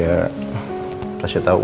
ya dia minta tau uya